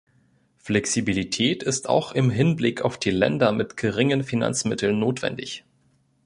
Flexibilität ist auch im Hinblick auf die Länder mit geringen Finanzmitteln notwendig.